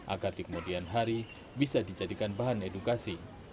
agar di kemudian hari bisa dijadikan bahan edukasi